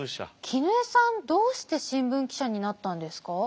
絹枝さんどうして新聞記者になったんですか？